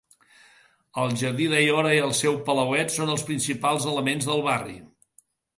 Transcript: El jardí d'Aiora i el seu palauet són els principals elements del barri.